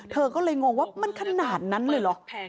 เธอก็เลยงงว่ามันขนาดนั้นเลยเหรอ